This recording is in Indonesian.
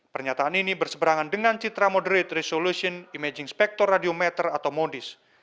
pernyataan ini berseberangan dengan citra moderate resolution imaging spector radiometer atau modis